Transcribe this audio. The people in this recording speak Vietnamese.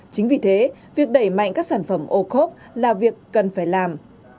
chính vì thế việc đẩy mạnh các sản phẩm ô khốp là việc cần phải làm